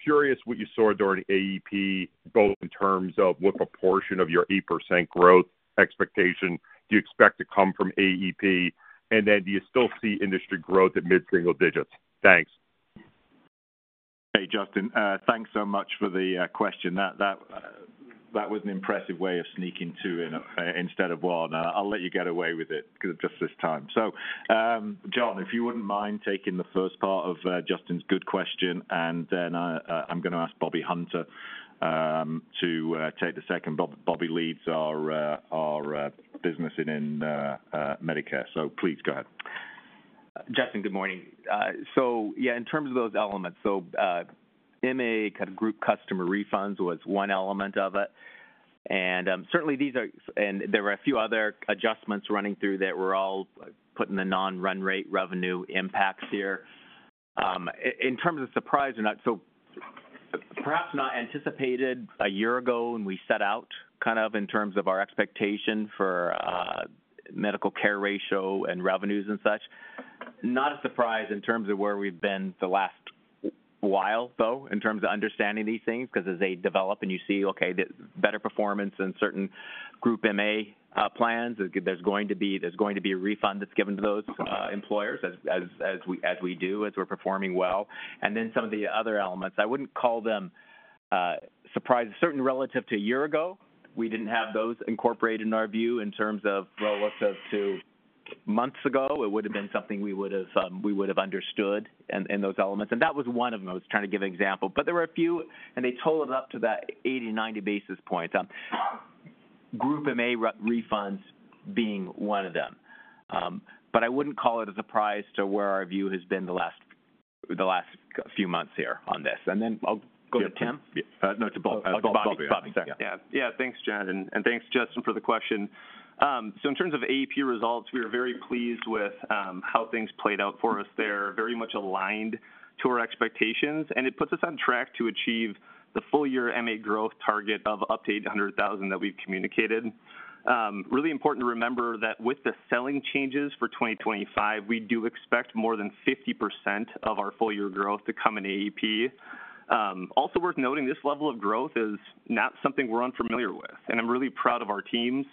Curious what you saw during AEP, both in terms of what proportion of your 8% growth expectation do you expect to come from AEP? And then do you still see industry growth at mid-single digits? Thanks. Hey, Justin, thanks so much for the question. That was an impressive way of sneaking two in instead of one. I'll let you get away with it because of just this time. So, John, if you wouldn't mind taking the first part of Justin's good question, and then I'm going to ask Bobby Hunter to take the second. Bobby leads our business in Medicare. So please go ahead. Justin, good morning. So yeah, in terms of those elements, so MA kind of group customer refunds was one element of it. Certainly, there were a few other adjustments running through that were all putting the non-run rate revenue impacts here. In terms of surprise or not, perhaps not anticipated a year ago when we set out kind of in terms of our expectation for medical care ratio and revenues and such. Not a surprise in terms of where we've been the last while, though, in terms of understanding these things because as they develop and you see, okay, better performance in certain group MA plans, there's going to be a refund that's given to those employers as we do, as we're performing well. Then some of the other elements, I wouldn't call them surprises. Certainly, relative to a year ago, we didn't have those incorporated in our view in terms of relative to months ago. It would have been something we would have understood in those elements. That was one of those, trying to give an example. But there were a few, and they totaled up to that 80-90 basis points, group MA refunds being one of them. But I wouldn't call it a surprise to where our view has been the last few months here on this. And then I'll go to Tim. No, it's Bobby. Yeah, thanks, John. And thanks, Justin, for the question. So in terms of AEP results, we were very pleased with how things played out for us there. Very much aligned to our expectations. And it puts us on track to achieve the full-year MA growth target of up to 800,000 that we've communicated. Really important to remember that with the selling changes for 2025, we do expect more than 50% of our full-year growth to come in AEP. Also worth noting, this level of growth is not something we're unfamiliar with, and I'm really proud of our teams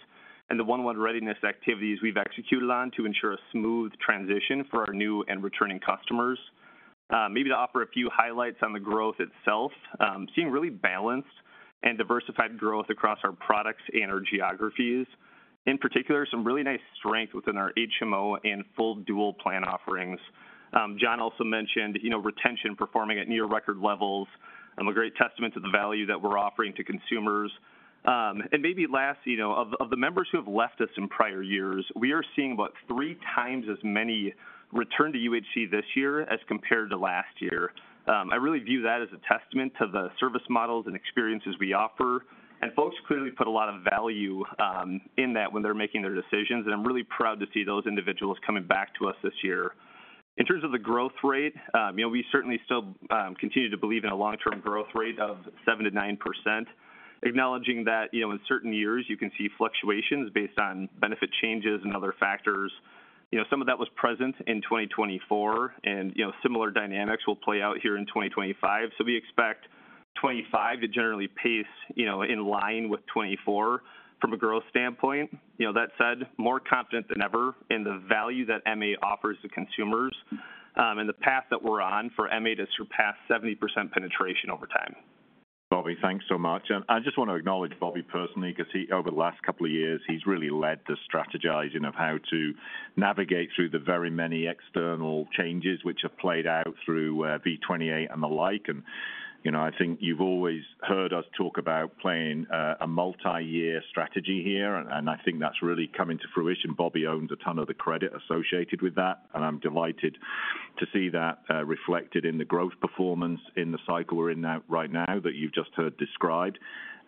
and the one-on-one readiness activities we've executed on to ensure a smooth transition for our new and returning customers. Maybe to offer a few highlights on the growth itself, seeing really balanced and diversified growth across our products and our geographies. In particular, some really nice strength within our HMO and full dual plan offerings. John also mentioned retention performing at near-record levels, a great testament to the value that we're offering to consumers, and maybe last, of the members who have left us in prior years, we are seeing about three times as many return to UHC this year as compared to last year. I really view that as a testament to the service models and experiences we offer. Folks clearly put a lot of value in that when they're making their decisions. I'm really proud to see those individuals coming back to us this year. In terms of the growth rate, we certainly still continue to believe in a long-term growth rate of 7%-9%, acknowledging that in certain years, you can see fluctuations based on benefit changes and other factors. Some of that was present in 2024, and similar dynamics will play out here in 2025. So we expect 2025 to generally pace in line with 2024 from a growth standpoint. That said, more confident than ever in the value that MA offers to consumers and the path that we're on for MA to surpass 70% penetration over time. Bobby, thanks so much. I just want to acknowledge Bobby personally because over the last couple of years, he's really led the strategizing of how to navigate through the very many external changes which have played out through V28 and the like. I think you've always heard us talk about playing a multi-year strategy here. I think that's really coming to fruition. Bobby owns a ton of the credit associated with that. I'm delighted to see that reflected in the growth performance in the cycle we're in right now that you've just heard described.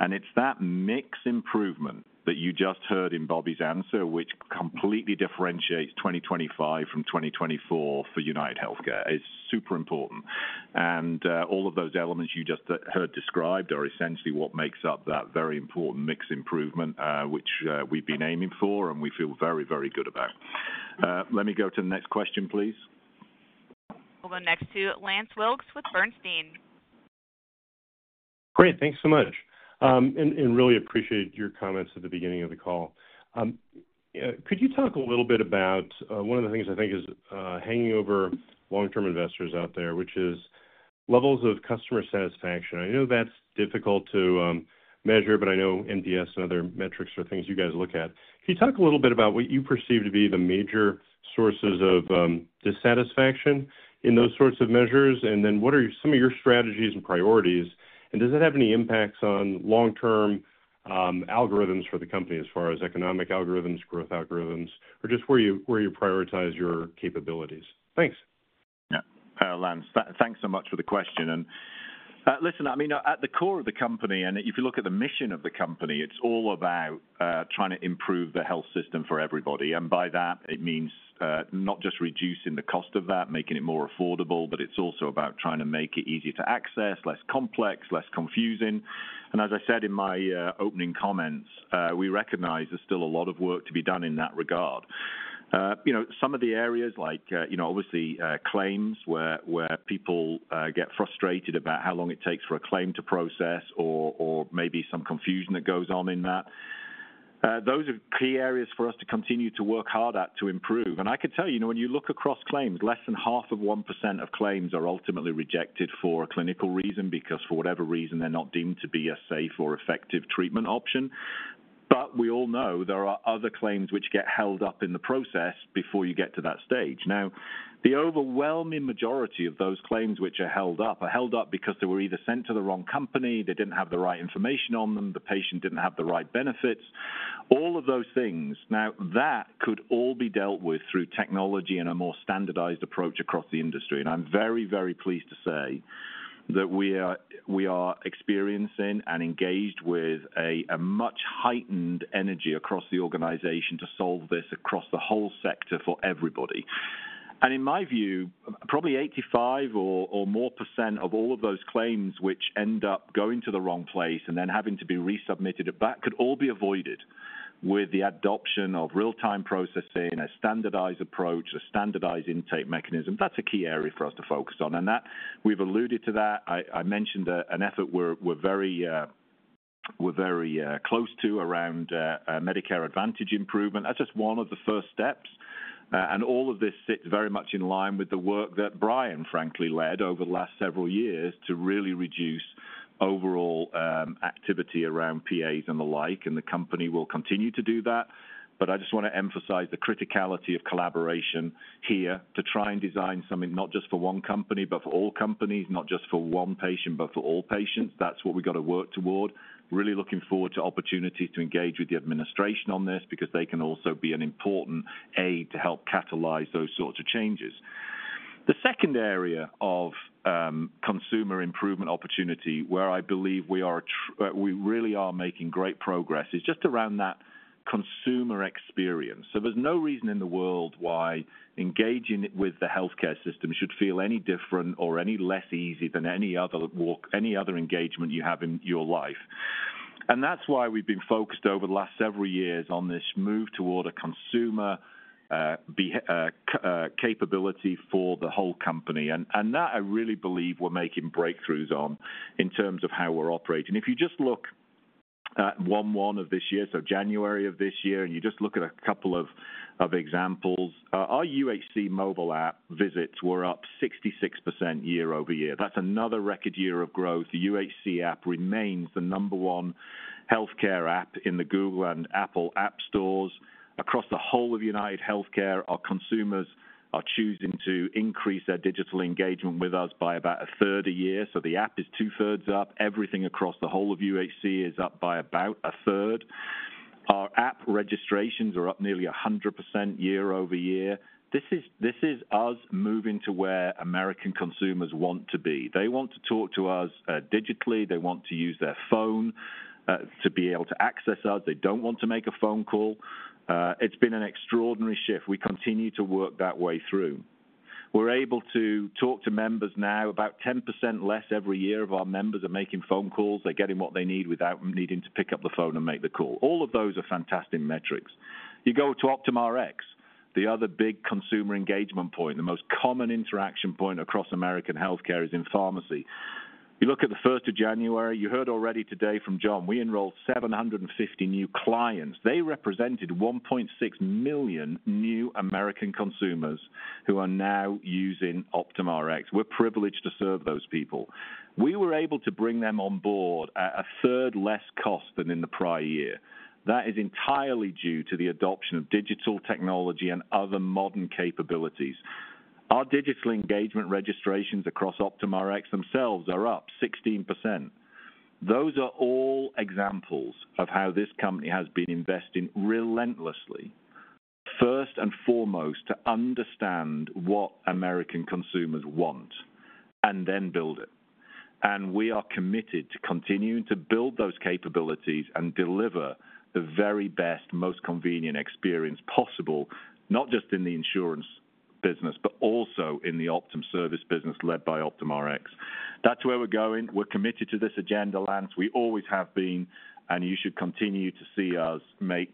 It's that mix improvement that you just heard in Bobby's answer, which completely differentiates 2025 from 2024 for UnitedHealthcare, is super important. All of those elements you just heard described are essentially what makes up that very important mix improvement, which we've been aiming for and we feel very, very good about. Let me go to the next question, please. We'll go next to Lance Wilkes with Bernstein. Great. Thanks so much, and really appreciate your comments at the beginning of the call. Could you talk a little bit about one of the things I think is hanging over long-term investors out there, which is levels of customer satisfaction? I know that's difficult to measure, but I know NPS and other metrics are things you guys look at. Can you talk a little bit about what you perceive to be the major sources of dissatisfaction in those sorts of measures? And then what are some of your strategies and priorities? And does that have any impacts on long-term algorithms for the company as far as economic algorithms, growth algorithms, or just where you prioritize your capabilities? Thanks. Yeah. Lance, thanks so much for the question. And listen, I mean, at the core of the company, and if you look at the mission of the company, it's all about trying to improve the health system for everybody. And by that, it means not just reducing the cost of that, making it more affordable, but it's also about trying to make it easier to access, less complex, less confusing. And as I said in my opening comments, we recognize there's still a lot of work to be done in that regard. Some of the areas, like obviously claims where people get frustrated about how long it takes for a claim to process or maybe some confusion that goes on in that, those are key areas for us to continue to work hard at to improve. And I can tell you, when you look across claims, less than half of 1% of claims are ultimately rejected for a clinical reason because for whatever reason, they're not deemed to be a safe or effective treatment option. But we all know there are other claims which get held up in the process before you get to that stage. Now, the overwhelming majority of those claims which are held up are held up because they were either sent to the wrong company, they didn't have the right information on them, the patient didn't have the right benefits, all of those things. Now, that could all be dealt with through technology and a more standardized approach across the industry. And I'm very, very pleased to say that we are experiencing and engaged with a much heightened energy across the organization to solve this across the whole sector for everybody. In my view, probably 85% or more of all of those claims which end up going to the wrong place and then having to be resubmitted back could all be avoided with the adoption of real-time processing, a standardized approach, a standardized intake mechanism. That's a key area for us to focus on. We've alluded to that. I mentioned an effort we're very close to around Medicare Advantage improvement. That's just one of the first steps. All of this sits very much in line with the work that Brian, frankly, led over the last several years to really reduce overall activity around PAs and the like. The company will continue to do that. But I just want to emphasize the criticality of collaboration here to try and design something not just for one company, but for all companies, not just for one patient, but for all patients. That's what we've got to work toward. Really looking forward to opportunities to engage with the administration on this because they can also be an important aid to help catalyze those sorts of changes. The second area of consumer improvement opportunity where I believe we really are making great progress is just around that consumer experience. So there's no reason in the world why engaging with the healthcare system should feel any different or any less easy than any other engagement you have in your life. And that's why we've been focused over the last several years on this move toward a consumer capability for the whole company. That, I really believe, we're making breakthroughs on in terms of how we're operating. If you just look at one month of this year, so January of this year, and you just look at a couple of examples, our UHC mobile app visits were up 66% year-over-year. That's another record year of growth. The UHC app remains the number one healthcare app in the Google and Apple App Stores. Across the whole of UnitedHealthcare, our consumers are choosing to increase their digital engagement with us by about a third a year, so the app is two-thirds up. Everything across the whole of UHC is up by about a third. Our app registrations are up nearly 100% year-over-year. This is us moving to where American consumers want to be. They want to talk to us digitally. They want to use their phone to be able to access us. They don't want to make a phone call. It's been an extraordinary shift. We continue to work that way through. We're able to talk to members now about 10% less every year of our members are making phone calls. They're getting what they need without needing to pick up the phone and make the call. All of those are fantastic metrics. You go to Optum Rx, the other big consumer engagement point, the most common interaction point across American healthcare is in pharmacy. You look at the first of January, you heard already today from John, we enrolled 750 new clients. They represented 1.6 million new American consumers who are now using Optum Rx. We're privileged to serve those people. We were able to bring them on board at a third less cost than in the prior year. That is entirely due to the adoption of digital technology and other modern capabilities. Our digital engagement registrations across Optum Rx themselves are up 16%. Those are all examples of how this company has been investing relentlessly, first and foremost, to understand what American consumers want and then build it. And we are committed to continuing to build those capabilities and deliver the very best, most convenient experience possible, not just in the insurance business, but also in the Optum service business led by Optum Rx. That's where we're going. We're committed to this agenda, Lance. We always have been, and you should continue to see us make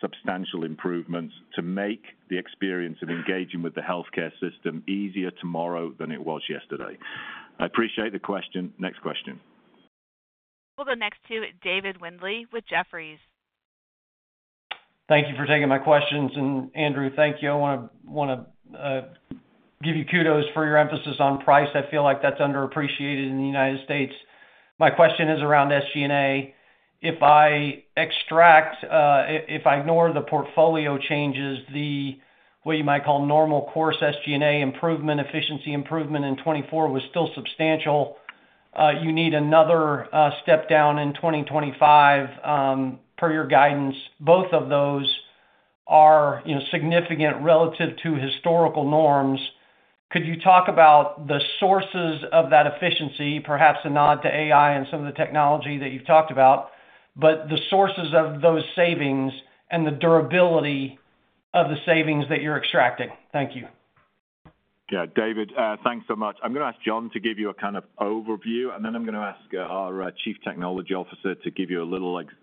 substantial improvements to make the experience of engaging with the healthcare system easier tomorrow than it was yesterday. I appreciate the question. Next question. We'll go next to David Windley with Jefferies. Thank you for taking my questions. And Andrew, thank you. I want to give you kudos for your emphasis on price. I feel like that's underappreciated in the United States. My question is around SG&A. If I ignore the portfolio changes, the what you might call normal course SG&A improvement, efficiency improvement in 2024 was still substantial. You need another step down in 2025 per your guidance. Both of those are significant relative to historical norms. Could you talk about the sources of that efficiency, perhaps a nod to AI and some of the technology that you've talked about, but the sources of those savings and the durability of the savings that you're extracting? Thank you. Yeah. David, thanks so much. I'm going to ask John to give you a kind of overview, and then I'm going to ask our Chief Technology Officer to give you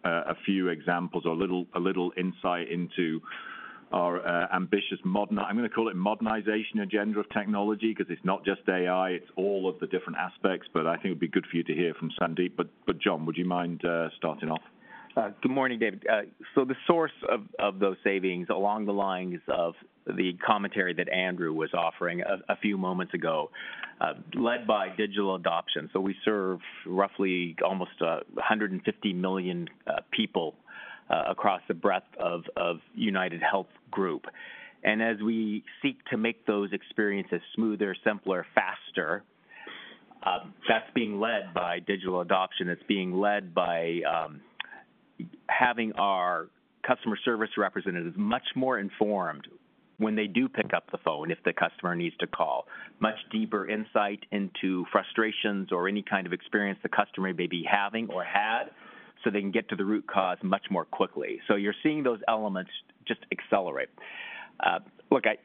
a few examples or a little insight into our ambitious modern, I'm going to call it, modernization agenda of technology because it's not just AI, it's all of the different aspects, but I think it would be good for you to hear from Sandeep. But John, would you mind starting off? Good morning, David. So the source of those savings along the lines of the commentary that Andrew was offering a few moments ago, led by digital adoption. So we serve roughly almost 150 million people across the breadth of UnitedHealth Group. And as we seek to make those experiences smoother, simpler, faster, that's being led by digital adoption. It's being led by having our customer service representatives much more informed when they do pick up the phone if the customer needs to call, much deeper insight into frustrations or any kind of experience the customer may be having or had so they can get to the root cause much more quickly. So you're seeing those elements just accelerate. Look, I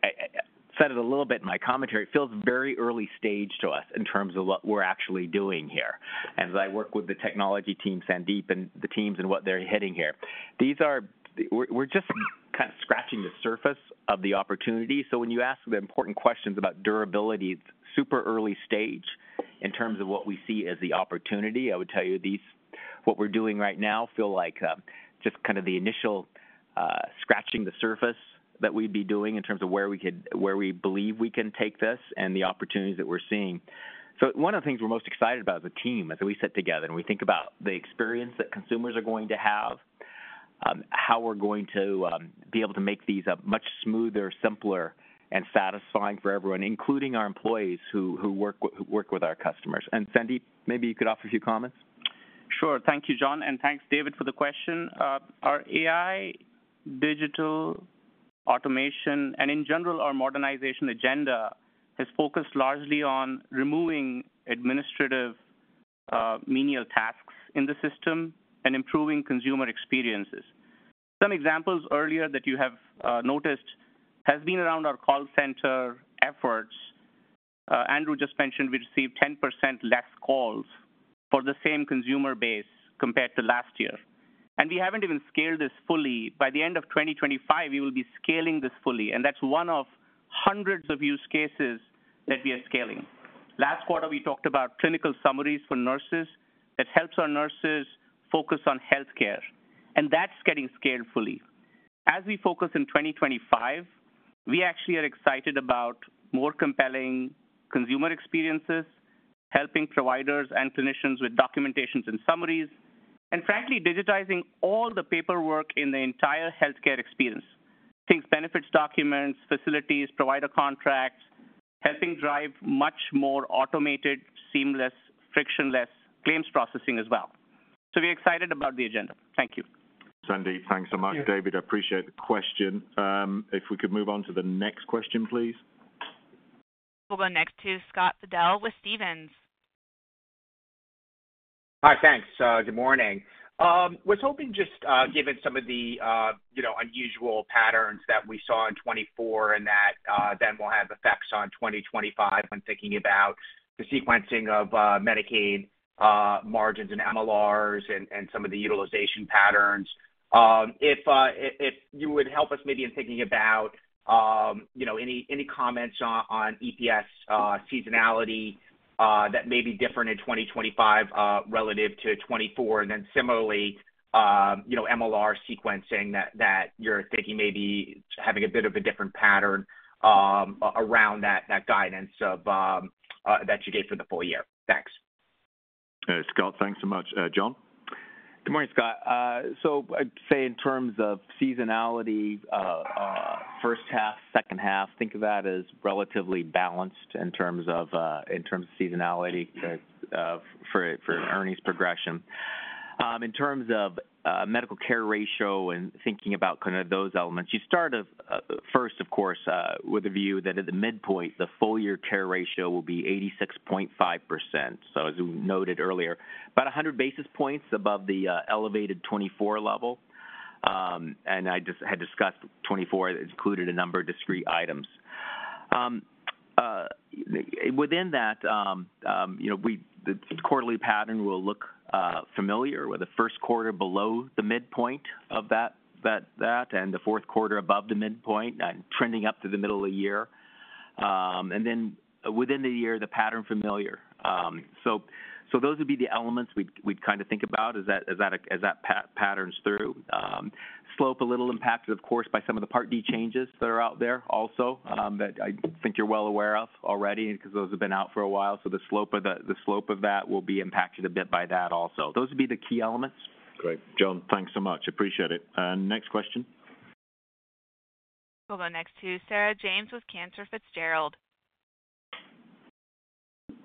said it a little bit in my commentary. It feels very early stage to us in terms of what we're actually doing here. And as I work with the technology team, Sandeep, and the teams and what they're hitting here, we're just kind of scratching the surface of the opportunity. So when you ask the important questions about durability, it's super early stage in terms of what we see as the opportunity. I would tell you what we're doing right now feels like just kind of the initial scratching the surface that we'd be doing in terms of where we believe we can take this and the opportunities that we're seeing. One of the things we're most excited about as a team is that we sit together and we think about the experience that consumers are going to have, how we're going to be able to make these much smoother, simpler, and satisfying for everyone, including our employees who work with our customers. Sandeep, maybe you could offer a few comments. Sure. Thank you, John. And thanks, David, for the question. Our AI, digital automation, and in general, our modernization agenda has focused largely on removing administrative menial tasks in the system and improving consumer experiences. Some examples earlier that you have noticed have been around our call center efforts. Andrew just mentioned we received 10% less calls for the same consumer base compared to last year. And we haven't even scaled this fully. By the end of 2025, we will be scaling this fully. And that's one of hundreds of use cases that we are scaling. Last quarter, we talked about clinical summaries for nurses that help our nurses focus on healthcare. And that's getting scaled fully. As we focus in 2025, we actually are excited about more compelling consumer experiences, helping providers and clinicians with documentations and summaries, and frankly, digitizing all the paperwork in the entire healthcare experience. Things benefits documents, facilities, provider contracts, helping drive much more automated, seamless, frictionless claims processing as well. So we're excited about the agenda. Thank you. Sandeep, thanks so much, David. I appreciate the question. If we could move on to the next question, please. We'll go next to Scott Fidel with Stephens. Hi, thanks. Good morning. Was hoping just given some of the unusual patterns that we saw in 2024 and that then will have effects on 2025 when thinking about the sequencing of Medicaid margins and MLRs and some of the utilization patterns. If you would help us maybe in thinking about any comments on EPS seasonality that may be different in 2025 relative to 2024, and then similarly, MLR sequencing that you're thinking maybe having a bit of a different pattern around that guidance that you gave for the full year. Thanks. Scott, thanks so much. John. Good morning, Scott. So I'd say in terms of seasonality, first half, second half, think of that as relatively balanced in terms of seasonality for earnings progression. In terms of medical care ratio and thinking about kind of those elements, you start first, of course, with a view that at the midpoint, the full-year care ratio will be 86.5%. So as we noted earlier, about 100 basis points above the elevated 2024 level. And I just had discussed 2024 included a number of discrete items. Within that, the quarterly pattern will look familiar with the first quarter below the midpoint of that and the fourth quarter above the midpoint and trending up to the middle of the year. And then within the year, the pattern familiar. So those would be the elements we'd kind of think about as that pattern's through. Slope a little impacted, of course, by some of the Part D changes that are out there also that I think you're well aware of already because those have been out for a while. So the slope of that will be impacted a bit by that also. Those would be the key elements. Great. John, thanks so much. Appreciate it. Next question. We'll go next to Sarah James with Cantor Fitzgerald.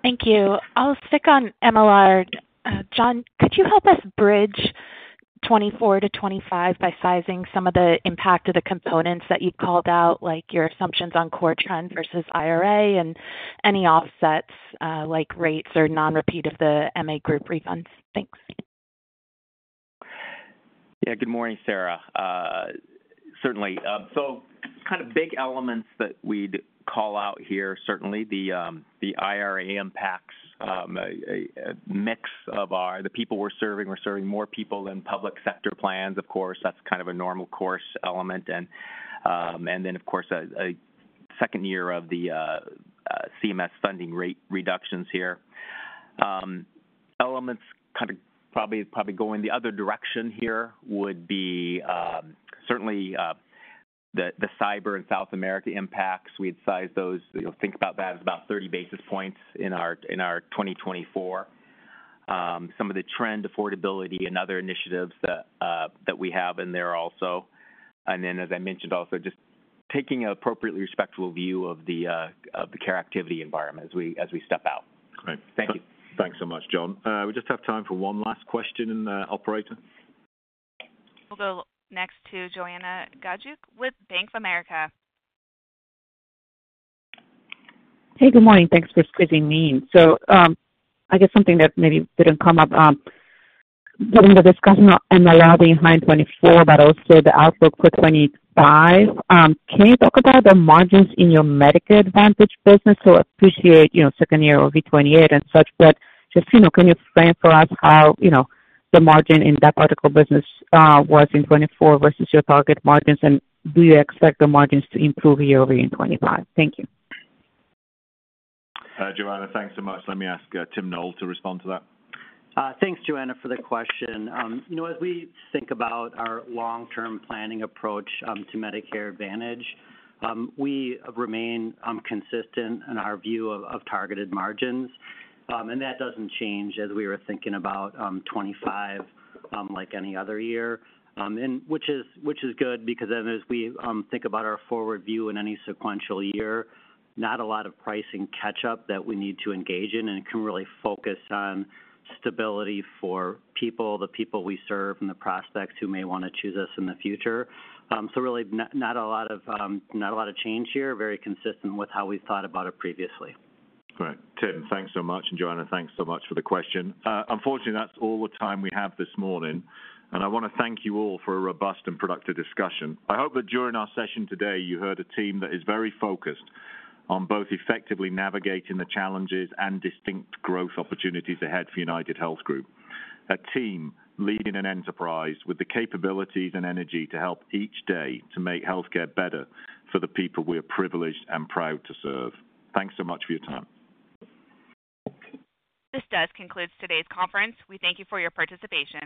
Thank you. I'll stick on MLR. John, could you help us bridge 2024-2025 by sizing some of the impact of the components that you've called out, like your assumptions on core trends versus IRA and any offsets like rates or non-repeat of the MA Group refunds? Thanks. Yeah. Good morning, Sarah. Certainly. So kind of big elements that we'd call out here, certainly the IRA impacts, a mix of the people we're serving. We're serving more people than public sector plans, of course. That's kind of a normal course element. And then, of course, a second year of the CMS funding rate reductions here. Elements kind of probably going the other direction here would be certainly the cyber and South America impacts. We'd size those. Think about that as about 30 basis points in our 2024. Some of the trend affordability and other initiatives that we have in there also. And then, as I mentioned, also just taking an appropriately respectful view of the care activity environment as we step out. Great. Thank you. Thanks so much, John. We just have time for one last question in the operator. We'll go next to Joanna Gajuk with Bank of America. Hey, good morning. Thanks for squeezing me in. So I guess something that maybe didn't come up during the discussion on MLR behind 2024, but also the outlook for 2025. Can you talk about the margins in your Medicare Advantage business? So I appreciate second year over 2028 and such, but just can you frame for us how the margin in that particular business was in 2024 versus your target margins? And do you expect the margins to improve year-over-year in 2025? Thank you. Joanna, thanks so much. Let me ask Tim Noel to respond to that. Thanks, Joanna, for the question. As we think about our long-term planning approach to Medicare Advantage, we remain consistent in our view of targeted margins. And that doesn't change as we were thinking about 2025 like any other year, which is good because then as we think about our forward view in any sequential year, not a lot of pricing catch-up that we need to engage in and can really focus on stability for people, the people we serve, and the prospects who may want to choose us in the future. So really not a lot of change here, very consistent with how we've thought about it previously. Great. Tim, thanks so much. And Joanna, thanks so much for the question. Unfortunately, that's all the time we have this morning. And I want to thank you all for a robust and productive discussion. I hope that during our session today, you heard a team that is very focused on both effectively navigating the challenges and distinct growth opportunities ahead for UnitedHealth Group. A team leading an enterprise with the capabilities and energy to help each day to make healthcare better for the people we are privileged and proud to serve. Thanks so much for your time. This does conclude today's conference. We thank you for your participation.